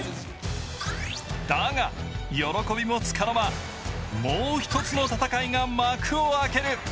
だが、喜びもつかの間、もう一つの戦いが幕を開ける。